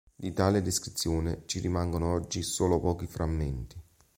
Di tale descrizione ci rimangono oggi solo pochi frammenti.